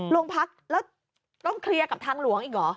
โรงพักแล้วต้องเคลียร์กับทางหลวงอีกเหรอ